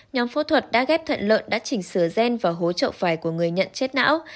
nhóm phẫu thuật đã ghép thận lợn đã chỉnh sửa gen và hố trậu phải của người nhận chết não